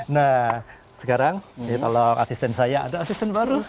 nah sekarang tolong asisten saya ada asisten baru